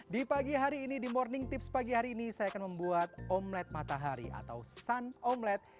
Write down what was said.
di pagi hari ini di morning tips pagi hari ini saya akan membuat omlet matahari atau sun omlet